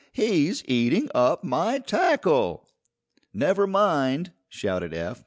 He's eating up my tackle!" "Never mind!" shouted Eph.